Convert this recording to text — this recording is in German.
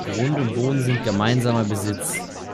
Grund und Boden sind gemeinsamer Besitz.